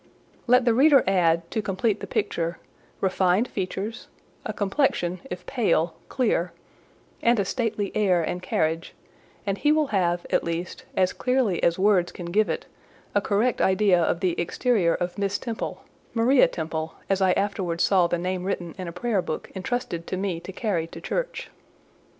Let the reader add, to complete the picture, refined features; a complexion, if pale, clear; and a stately air and carriage, and he will have, at least, as clearly as words can give it, a correct idea of the exterior of Miss Temple—Maria Temple, as I afterwards saw the name written in a prayer book intrusted to me to carry to church.